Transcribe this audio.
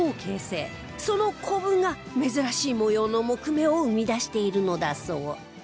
そのコブが珍しい模様の杢目を生み出しているのだそう